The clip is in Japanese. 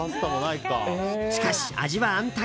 しかし、味は安泰。